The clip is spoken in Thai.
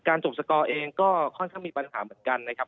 จบสกอร์เองก็ค่อนข้างมีปัญหาเหมือนกันนะครับ